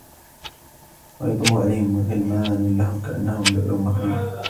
وَيَطُوفُ عَلَيْهِمْ غِلْمَانٌ لَّهُمْ كَأَنَّهُمْ لُؤْلُؤٌ مَّكْنُونٌ